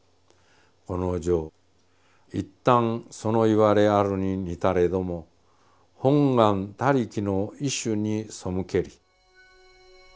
この条一旦そのいわれあるににたれども本願他力の意趣にそむけり」。